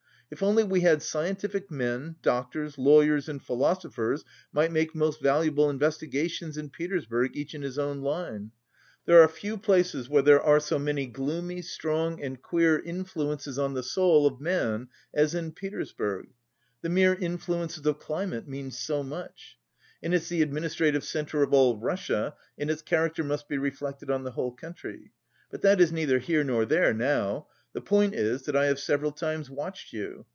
If only we had scientific men, doctors, lawyers and philosophers might make most valuable investigations in Petersburg each in his own line. There are few places where there are so many gloomy, strong and queer influences on the soul of man as in Petersburg. The mere influences of climate mean so much. And it's the administrative centre of all Russia and its character must be reflected on the whole country. But that is neither here nor there now. The point is that I have several times watched you.